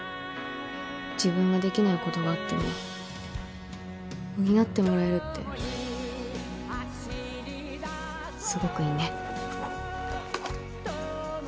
自分ができないことがあっても補ってもらえるってすごくいいね。